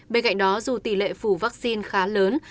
bên cạnh đó dù tỷ lệ phủ vaccine khá lớn